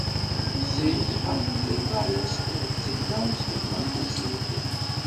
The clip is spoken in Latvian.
Siļķe pati tīklā neskrien. Citronus turpmāk nesūtiet.